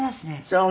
そう。